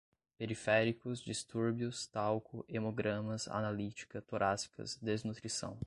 periféricos, distúrbios, talco, hemogramas, analítica, torácicas, desnutrição